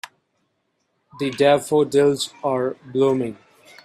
The daffodils are blooming.